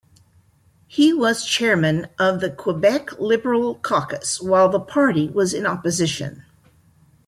He was chairman of the Quebec Liberal caucus while the party was in opposition.